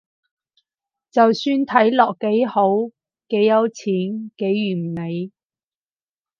就算睇落幾好，幾有錢，幾完美